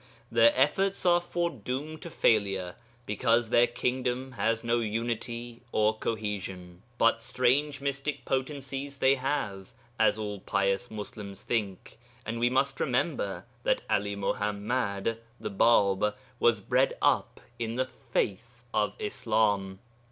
Their efforts are foredoomed to failure, because their kingdom has no unity or cohesion. But strange mystic potencies they have, as all pious Muslims think, and we must remember that 'Ali Muḥammad (the Bāb) was bred up in the faith of Islam.